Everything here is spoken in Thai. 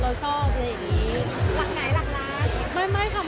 รักไหนรักรัก